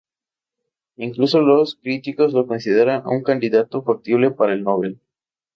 Incluso los críticos lo consideran un candidato factible para el Nobel.